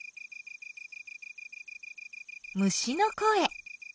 虫の声。